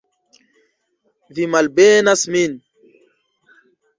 Vi malbenas min?